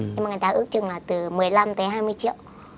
nhưng mà người ta ước chừng là từ một mươi năm tới hai mươi triệu